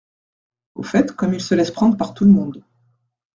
Au fait, comme il se laisse prendre par tout le monde.